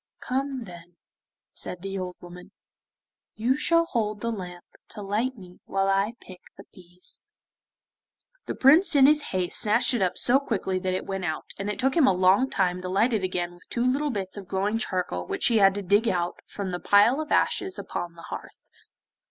'Come then,' said the old woman, 'you shall hold the lamp to light me while I pick the peas.' The Prince in his haste snatched it up so quickly that it went out, and it took him a long time to light it again with two little bits of glowing charcoal which he had to dig out from the pile of ashes upon the hearth.